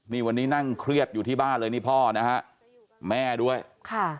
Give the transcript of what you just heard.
นี่วันนี้นั่งเครียดอยู่ที่บ้านเลยนี่พ่อนะฮะแม่ด้วยค่ะ